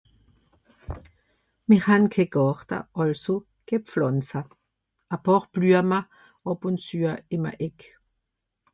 Mìr han ké Gàrta, àlso ké Pflànza. A Pààr Blüama, àb ùn züa ìm a Eck.